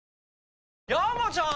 山ちゃん！